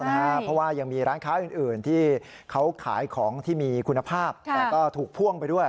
เพราะว่ายังมีร้านค้าอื่นที่เขาขายของที่มีคุณภาพแต่ก็ถูกพ่วงไปด้วย